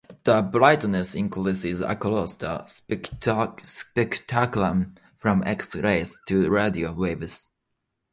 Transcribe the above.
The brightness increase is across the spectrum, from X rays to radio waves.